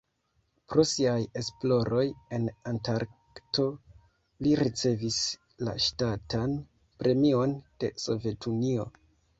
Pro siaj esploroj en Antarkto li ricevis la Ŝtatan Premion de Sovetunio.